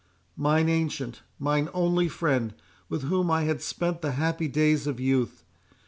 "Mine ancient—mine only friend—with whom I had spent the happy days of youth!